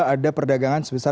ada perdagangan sebesar